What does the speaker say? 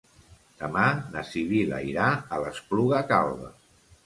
Demà na Sibil·la irà a l'Espluga Calba.